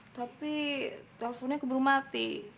tapi teleponnya keburu mati